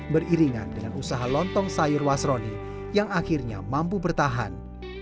beriringan dengan usaha lontong sayur wasroni yang akhirnya mampu bertahan